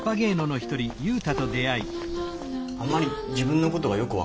あんまり自分のことがよく分かってないんですよ